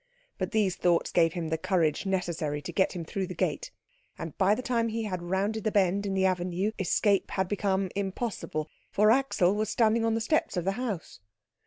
But these thoughts gave him the courage necessary to get him through the gate; and by the time he had rounded the bend in the avenue escape had become impossible, for Axel was standing on the steps of the house.